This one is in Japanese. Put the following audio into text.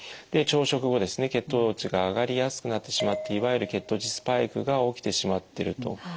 で朝食後ですね血糖値が上がりやすくなってしまっていわゆる血糖値スパイクが起きてしまってると。